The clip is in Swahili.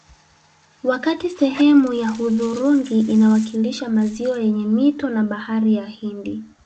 Wakati sehemu ya hudhurungi inawakilisha maziwa yake mito na Bahari ya Hindi